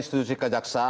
ini sudah terjadi